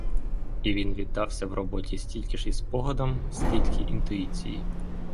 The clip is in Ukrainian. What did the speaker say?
І він віддався в роботі стільки ж і спогадам, скільки інтуїції.